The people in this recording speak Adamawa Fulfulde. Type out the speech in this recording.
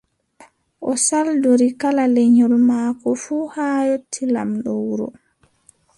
O saldori kala lenyol maako fuu, haa yotti laamɗo wuro.